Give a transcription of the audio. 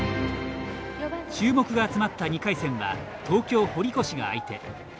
注目が集まった２回戦は東京・堀越が相手。